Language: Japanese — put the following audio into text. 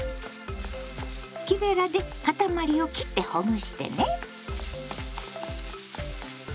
木べらでかたまりを切ってほぐしてね。